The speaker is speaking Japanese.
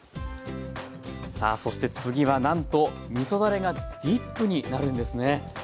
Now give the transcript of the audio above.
さあそして次はなんとみそだれがディップになるんですね。